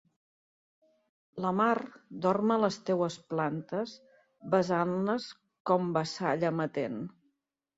La mar dorm a les teues plantes besant-les com vassalla amatent.